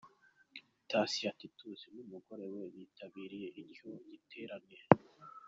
Thacien Titus n'umugore we bitabiriye icyo giterane.